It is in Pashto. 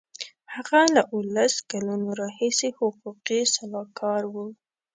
هغه له اوولس کلونو راهیسې حقوقي سلاکار و.